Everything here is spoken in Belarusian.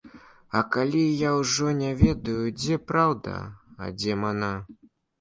А калі я ўжо не ведаю, дзе праўда, а дзе мана.